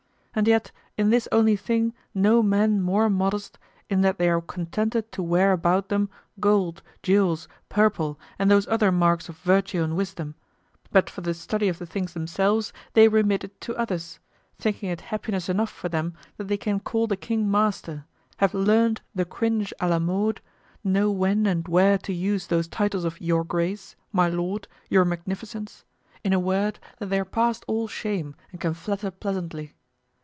And yet in this only thing no men more modest, in that they are contented to wear about them gold, jewels, purple, and those other marks of virtue and wisdom; but for the study of the things themselves, they remit it to others, thinking it happiness enough for them that they can call the king master, have learned the cringe à la mode, know when and where to use those titles of Your Grace, My Lord, Your Magnificence; in a word that they are past all shame and can flatter pleasantly.